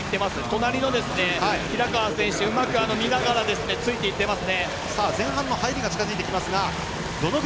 隣の平河選手をうまく見ながらついていってます。